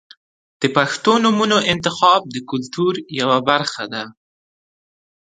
• د پښتو نومونو انتخاب د کلتور یوه برخه ده.